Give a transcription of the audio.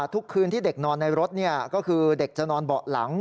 ทุกคืนที่เด็กนอนในรถก็คือเด็กจะนอนเบาะหลัง